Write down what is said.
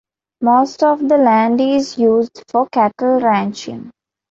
Most of the land is used for cattle ranching.